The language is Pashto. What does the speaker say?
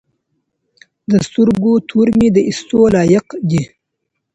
د سترګو تور مي د ايستو لايق دي